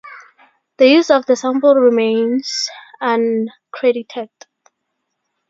The use of the sample remains uncredited.